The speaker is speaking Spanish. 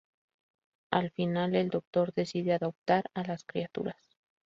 Al final, el doctor decide adoptar a las criaturas.